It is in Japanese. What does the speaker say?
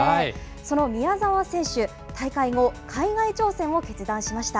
その宮澤選手、大会後、海外挑戦を決断しました。